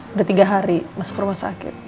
sudah tiga hari masuk rumah sakit